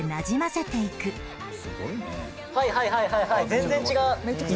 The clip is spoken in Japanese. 全然違う！